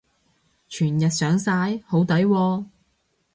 全日上晒？好抵喎